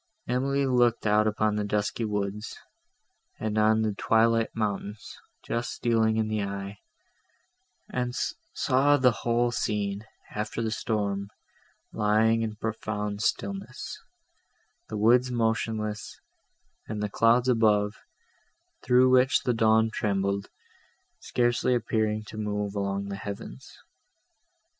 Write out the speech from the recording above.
Emily looked out upon the dusky woods, and on the twilight mountains, just stealing in the eye, and saw the whole scene, after the storm, lying in profound stillness, the woods motionless, and the clouds above, through which the dawn trembled, scarcely appearing to move along the heavens.